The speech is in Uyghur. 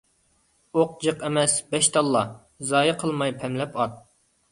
ئوق جىق ئەمەس، بەش تاللا . زايە قىلماي پەملەپ ئات .